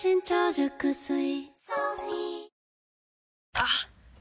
あっ！